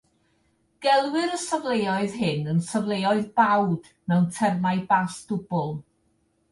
Gelwir y safleoedd hyn yn 'safleoedd bawd' mewn termau bas dwbl.